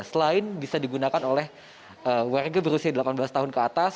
selain bisa digunakan oleh warga berusia delapan belas tahun ke atas